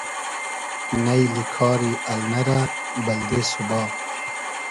نݷلی کاری النۂ رۂ بئلدې سوبا